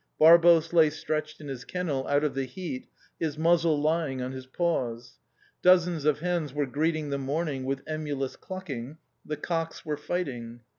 Barbos lay stretched in his kennel out of the heat, his muzzle lying on his paws. Dozens of hens were greeting the morning with emulous clucking; the cocks were fighting.